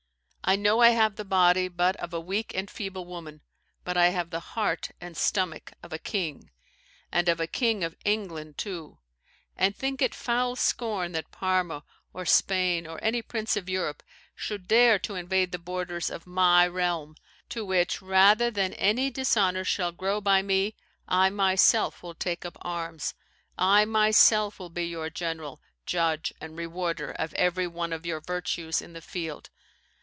I know I have the body but of a weak and feeble woman, but I have the heart and stomach of a king, and of a King of England too; and think it foul scorn that Parma, or Spain, or any prince of Europe, should dare to invade the borders of my realm; to which, rather than any dishonour shall grow by me, I myself will take up arms, I myself will be your general, judge, and rewarder of every one of your virtues in the field.